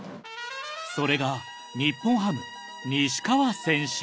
それが日本ハム。